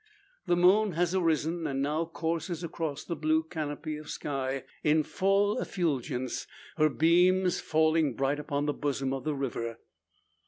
The moon has arisen, and now courses across the blue canopy of sky, in full effulgence, her beams falling bright upon the bosom of the river.